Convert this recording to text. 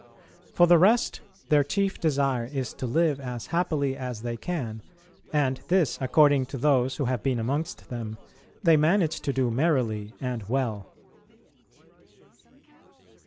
For the rest, their chief desire is to live as happily as they can, and this, according to those who have been amongst them, they manage to do merrily and well.